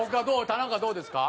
田中どうですか？